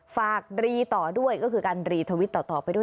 ฝากรีต่อด้วยก็คือการรีทวิตต่อไปด้วย